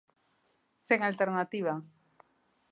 Sen alternativa.